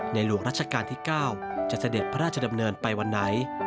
หลวงรัชกาลที่๙จะเสด็จพระราชดำเนินไปวันไหน